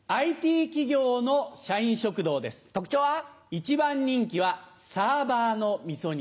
一番人気はサーバーのみそ煮。